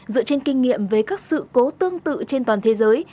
dựa trên kinh nghiệm về các sự cố tương tự trên toàn thế giới